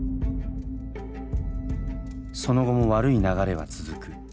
その後も悪い流れは続く。